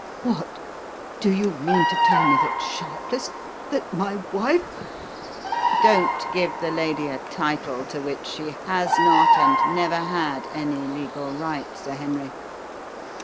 "What! Do you mean to tell me that Sharpless, that my wife " "Don't give the lady a title to which she has not and never had any legal right, Sir Henry.